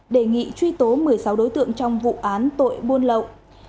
đề nghị truy tố một mươi sáu đối tượng trong vụ án tội buôn lậu